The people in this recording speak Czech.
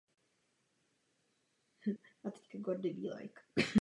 Některé objevy izolovaných kostí však svědčí o ještě větších jedincích.